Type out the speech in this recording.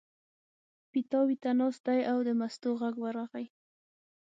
پیتاوي ته ناست دی او د مستو غږ ورغی.